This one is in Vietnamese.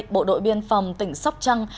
bộ đội biên phòng tỉnh sóc trăng